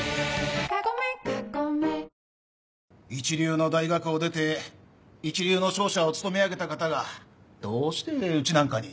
一流の大学を出て一流の商社を勤め上げた方がどうしてうちなんかに？